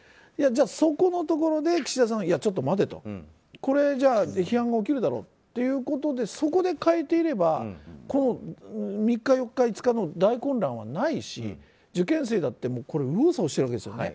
そこのところで岸田さんいや、ちょっと待てとこれじゃあ批判が起きるだろうっていうことでそこで変えていればこの３日、４日、５日の大混乱はないし、受験生だって右往左往してるわけですよね。